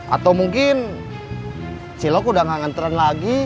atau mungkin cilok udah gak nganteran lagi